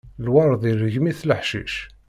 Lweṛd irgem-it leḥcic.